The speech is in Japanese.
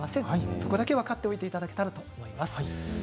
そこだけ分かっていただけたらと思います。